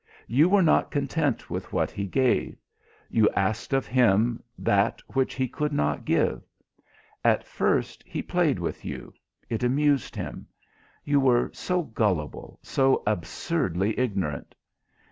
You were not content with what he gave. You asked of him that which he could not give. At first he played with you it amused him. You were so gullible, so absurdly ignorant.